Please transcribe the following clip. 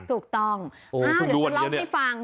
ถูกต้อง